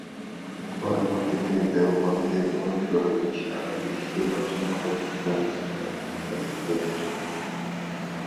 পরবর্তীতে দেওবন্দের অনুসরণে সারা বিশ্বে অসংখ্য ইসলামি শিক্ষা প্রতিষ্ঠান গড়ে উঠে।